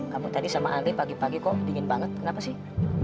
kamu tadi sama andri pagi pagi kok dingin banget kenapa sih